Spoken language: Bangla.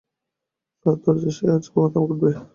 কার দরজায় সে আজ মাথা কুটবে?